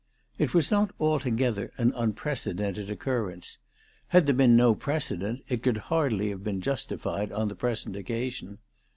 It was not altogether an un ALICE DUGDALE. 355 precedented occurrence. Had there been no precedent it could hardly have been justified on the present occa sion.